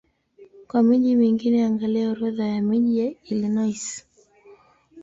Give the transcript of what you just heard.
Kwa miji mingine angalia Orodha ya miji ya Illinois.